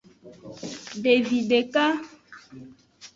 Devi deka.